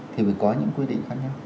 thì mới có những quy định khác nhau